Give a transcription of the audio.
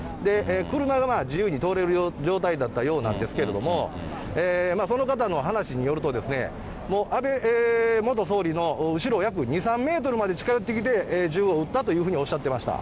車が自由に通れるような状態だったようなんですけれども、その方の話によると、安倍元総理の後ろ約２、３メートルまで近寄ってきて、銃を撃ったというふうにおっしゃってました。